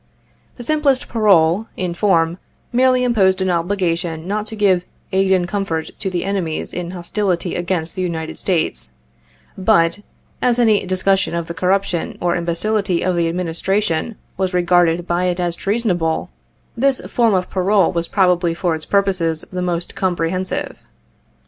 The simplest parole, in form, merely imposed an obligation not to give " aid and comfort to the enemies in hostility against the United States;" but, as any discussion of the corruption or imbecility of the Administration was regarded by it as treasonable, this form of parole was probably for its purposes, the most comprehensive.